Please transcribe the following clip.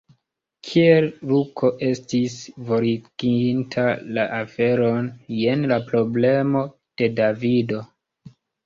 Kiel Luko estis vortiginta la aferon – jen la problemo de Davido.